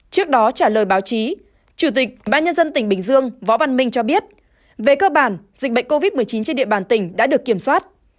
trước đó trả lời báo chí chủ tịch ubnd tỉnh bình dương võ văn minh cho biết về cơ bản dịch bệnh covid một mươi chín trên địa bàn tỉnh đã được kiểm soát